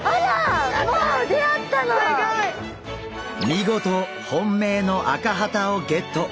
見事本命のアカハタをゲット。